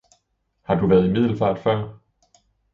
Har du været i Middelfart før